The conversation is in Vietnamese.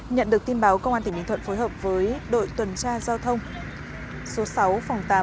nhận được tin báo công an tp hcm phối hợp với đội tuần tra giao thông số sáu phòng tám